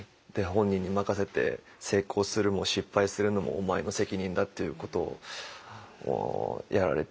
本人に任せて成功するも失敗するのもお前の責任だっていうことをやられていて。